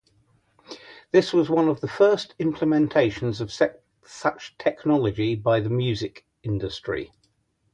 This was one of the first implementations of such technology by the music industry.